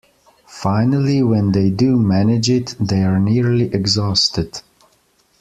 Finally, when they do manage it, they are nearly exhausted.